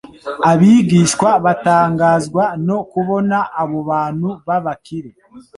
Abigishwa batangazwa no kubona abo bantu b'abakire